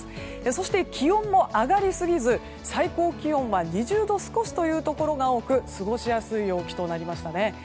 そして、気温も上がりすぎず最高気温は２０度少しというところが多く過ごしやすい陽気となりましたね。